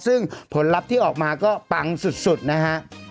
ซึ่งผลลัพธ์ที่ออกมาก็ปังสุดนะฮะ